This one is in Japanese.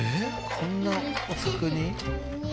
こんなお宅に？